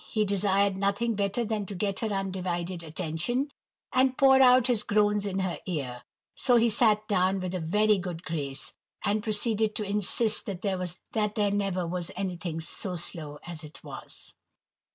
He desired nothing better than to get her undivided attention, and pour out his groans in her ear; so he sat down with a very good grace, and proceeded to insist that there never was anything so "slow" as "it was."